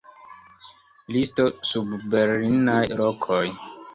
Listo sub Berlinaj lokoj.